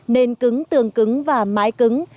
nền cứng tường cứng và mái cứng